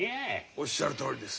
おっしゃるとおりです。